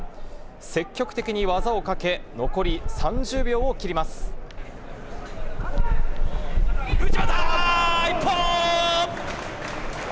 積極的に技をかけ、残り３０秒を内股、一本。